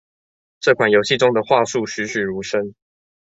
這款遊戲中的樺樹栩詡如生